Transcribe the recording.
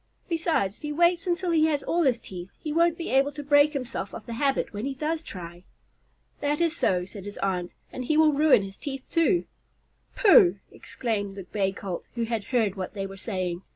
Besides, if he waits until he has all his teeth, he won't be able to break himself of the habit when he does try." "That is so," said his aunt, "and he will ruin his teeth, too." "Pooh!" exclaimed the Bay Colt, who had heard what they were saying.